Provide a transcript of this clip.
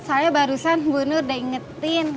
soalnya barusan bu nur udah ingetin